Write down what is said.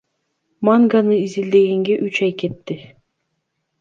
Манганы изилдегенге үч ай кетти.